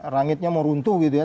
rangitnya meruntuh gitu ya